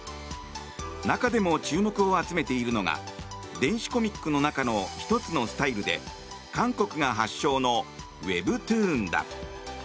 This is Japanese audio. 中でも注目を集めているのが電子コミックの中の１つのスタイルで韓国が発祥のウェブトゥーンだ。